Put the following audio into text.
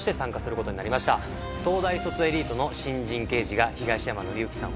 東大卒エリートの新人刑事が東山紀之さん